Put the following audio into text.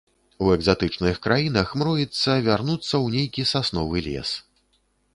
У экзатычных краінах мроіцца вярнуцца ў нейкі сасновы лес.